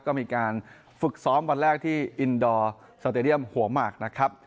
ก็มีการฝึกซ้อมวันแรกที่อินดอร์สเตดียมหัวหมากนะครับ